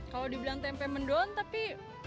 kalau dibilang tempe mendoan tapi